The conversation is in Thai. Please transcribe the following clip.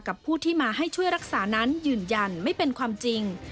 ผู้ที่มาให้ช่วยรักษานั้นยืนยันไม่เป็นความจริง